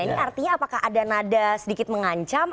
ini artinya apakah ada nada sedikit mengancam